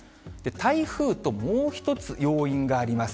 台風と、もう一つ、要因があります。